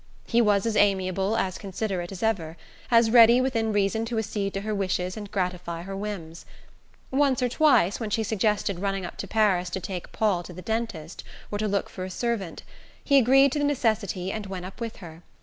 He was as amiable, as considerate as ever; as ready, within reason, to accede to her wishes and gratify her whims. Once or twice, when she suggested running up to Paris to take Paul to the dentist, or to look for a servant, he agreed to the necessity and went up with her.